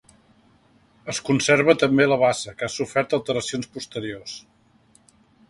Es conserva també la bassa, que ha sofert alteracions posteriors.